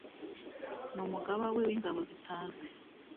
n’umugaba we w’ingabo zitazwi